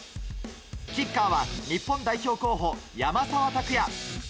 キッカーは日本代表候補山沢拓也。